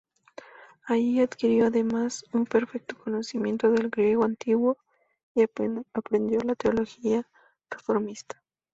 Allí adquirió además un perfecto conocimiento del griego antiguo y aprendió la teología reformista.